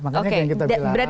oke berarti belum dihitung ya